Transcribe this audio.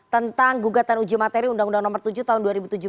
tentang gugatan uji materi undang undang nomor tujuh tahun dua ribu tujuh belas